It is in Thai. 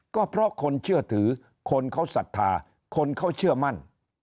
ก็เพราะคนเชื่อถือคนเขาศรัทธาคนเขาเชื่อมั่น